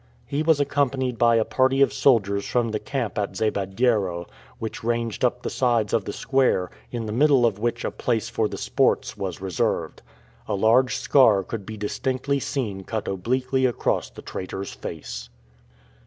He was accompanied by a party of soldiers from the camp at Zabediero, who ranged up at the sides of the square, in the middle of which a place for the sports was reserved. A large scar could be distinctly seen cut obliquely across the traitor's face.